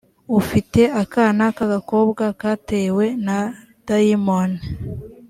ufite akana k agakobwa katewe na dayimoni